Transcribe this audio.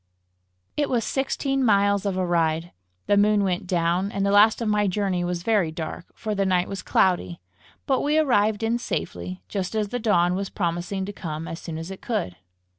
It was sixteen miles of a ride. The moon went down, and the last of my journey was very dark, for the night was cloudy; but we arrived in safety, just as the dawn was promising to come as soon as it could.